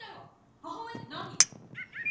母親って何？